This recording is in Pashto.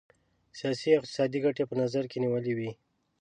سیاسي او اقتصادي ګټي په نظر کې نیولي وې.